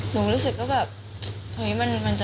หนูก็รู้สึกว่าแบบ